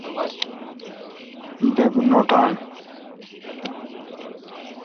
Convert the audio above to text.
بہ نوٹان۔